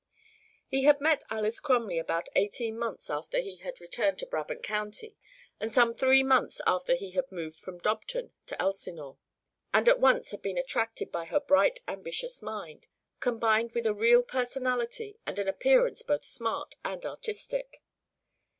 He had met Alys Crumley about eighteen months after he had returned to Brabant County and some three months after he had moved from Dobton to Elsinore, and at once had been attracted by her bright ambitious mind, combined with a real personality and an appearance both smart and artistic.